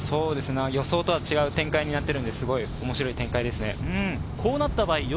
予想と違う展開になっているので面白いですね。